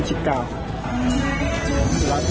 เจ้าขอบคุณครับ